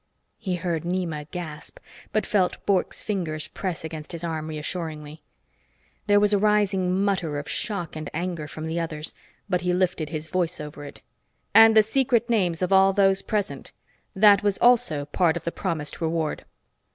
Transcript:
He heard Nema gasp, but felt Bork's fingers press against his arm reassuringly. There was a rising mutter of shock and anger from the others, but he lifted his voice over it. "And the secret names of all those present. That was also part of the promised reward."